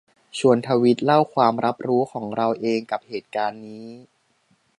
ชวนทวีตเล่าความรับรู้ของเราเองกับเหตุการณ์นี้